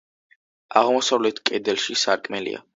აღმოსავლეთ კედელში სარკმელია.